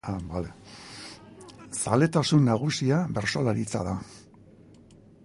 Zaletasun nagusia bertsolaritza da.